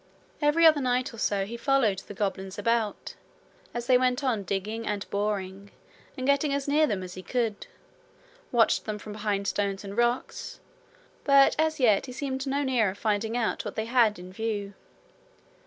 Every other night or so he followed the goblins about, as they went on digging and boring, and getting as near them as he could, watched them from behind stones and rocks; but as yet he seemed no nearer finding out what they had in view.